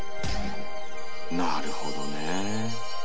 なるほどね。